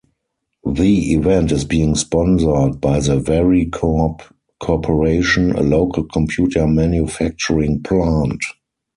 The event is being sponsored by the Varicorp Corporation, a local computer manufacturing plant.